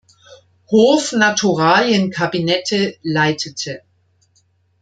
Hof-Naturalienkabinette leitete.